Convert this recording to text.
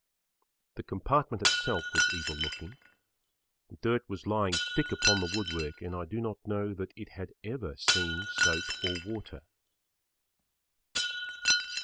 The compartment itself was evil looking. Dirt was lying thick upon the wood work and I do not know that it had ever seen soap or water.